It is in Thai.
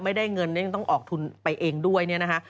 ไม่ได้เงินเนี่ยยังต้องออกทุนไปเองด้วยเนี่ยนะคะ